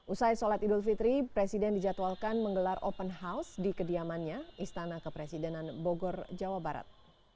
usai sholat idul fitri presiden dijadwalkan menggelar open house di kediamannya istana kepresidenan bogor jawa barat